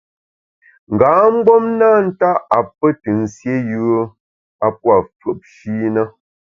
Nga mgbom na nta’ a pe te nsié yùe a pua’ fùepshi na.